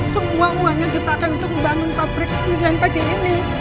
semua uang yang dipakai untuk membangun pabrik milihan padi ini